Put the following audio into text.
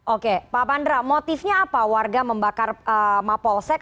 oke pak pandra motifnya apa warga membakar mapolsek